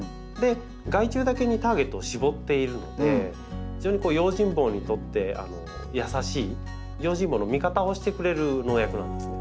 害虫だけにターゲットを絞っているので非常に用心棒にとって優しい用心棒の味方をしてくれる薬剤なんですね。